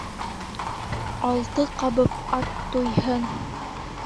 Алты ҡабып ат туйһын